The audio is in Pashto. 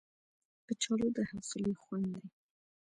کچالو د حوصلې خوند دی